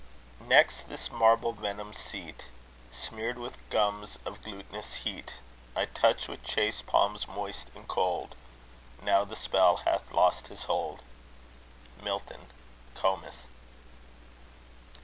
Next this marble venomed seat, Smeared with gums of glutinous heat, I touch with chaste palms moist and cold Now the spell hath lost his hold. MILTON. Comas.